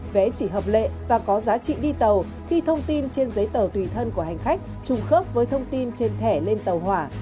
vé chỉ hợp lệ và có giá trị đi tàu khi thông tin trên giấy tờ tùy thân của hành khách trùng khớp với thông tin trên thẻ lên tàu hỏa